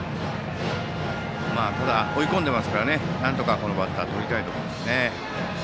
ただ追い込んでいますからなんとか、このバッターはとりたいところですね。